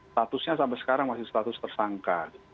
statusnya sampai sekarang masih status tersangka